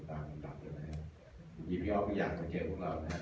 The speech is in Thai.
ต่างอย่างเดียวนะฮะอย่างนี้พี่ออฟก็อยากมาเกลียดพวกเรานะฮะ